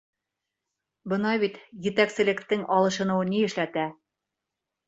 Бына бит етәкселектең алышыныуы ни эшләтә.